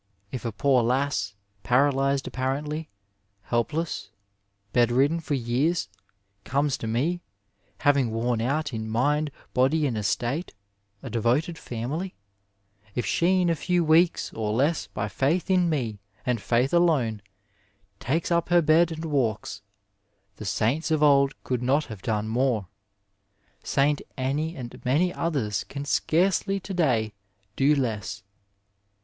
If a poor lass, paralyzed apparently, helpless, bed ridden for years, comes to me, having worn out in mind, body and estate a devoted family; if she in a few weeks or less by faith in me, and faith alone, takes up her bed and walks, the saints of old could not have done more, St. Anne and many others can scarcely to day do less.